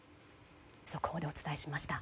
速報でお伝えしました。